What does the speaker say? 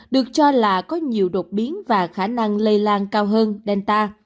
được cho là có nhiều đột biến và khả năng lây lan cao hơn delta